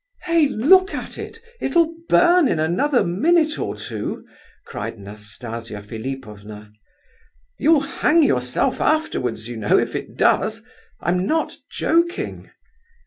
"Hey! look at it, it'll burn in another minute or two!" cried Nastasia Philipovna. "You'll hang yourself afterwards, you know, if it does! I'm not joking."